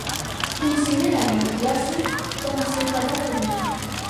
Consideren al filòsof com a ciutadà del món.